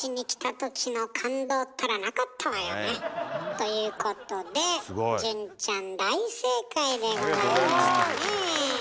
ということで潤ちゃん大正解でございましたね。